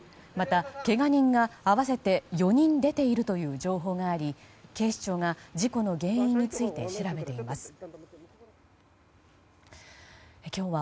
また、けが人が合わせて４人出ているという情報があり警視庁が事故の原因について調べています。